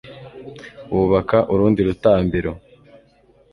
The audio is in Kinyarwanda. bubaka urundi rutambiro